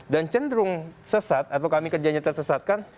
dan cenderung sesat atau kami kerjanya tersesatkan